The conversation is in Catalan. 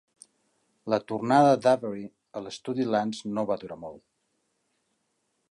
La tornada d'Avery a l'estudi Lantz no va durar molt.